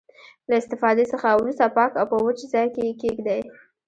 له استفادې څخه وروسته پاک او په وچ ځای کې یې کیږدئ.